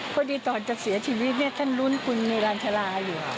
พอดีตอนจะเสียชีวิตนี้ท่านรุ้นคุณรันทราอยู่